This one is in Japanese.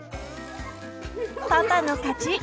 パパの勝ち！